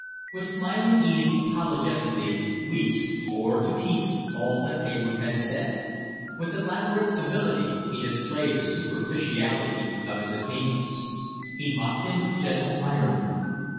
With smiling ease, apologetically, Weeks tore to pieces all that Hayward had said; with elaborate civility he displayed the superficiality of his attainments. He mocked him with gentle irony.